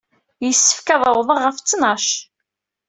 Yessefk ad awḍeɣ ɣef ttnac.